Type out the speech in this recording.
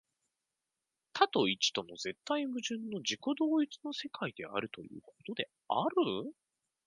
多と一との絶対矛盾の自己同一の世界であるということである。